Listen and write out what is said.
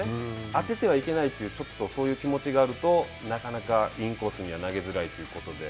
当ててはいけないという、ちょっとそういう気持ちがあるとなかなか、インコースには投げづらいということで。